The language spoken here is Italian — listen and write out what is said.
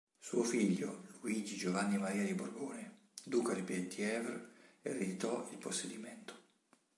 Suo figlio, Luigi Giovanni Maria di Borbone, duca di Penthièvre, ereditò il possedimento.